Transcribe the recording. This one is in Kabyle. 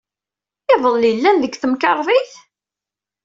Iḍelli, llan deg temkarḍit?